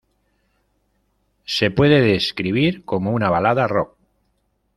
Se puede describir como una balada rock.